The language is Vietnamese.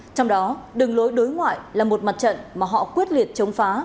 trong đó đường lối đối ngoại là một mặt trận mà họ quyết liệt chống phá